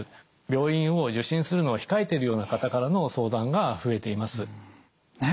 病院を受診するのを控えているような方からの相談が増えています。